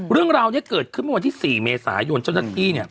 เรื่องราวนี้เกิดขึ้นเมื่อวันที่๔เมษายนเจ้าหน้าที่เนี่ย